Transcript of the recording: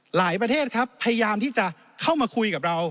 ประเทศครับพยายามที่จะเข้ามาคุยกับเรา